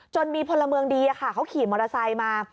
มีพลเมืองดีเขาขี่มอเตอร์ไซค์มา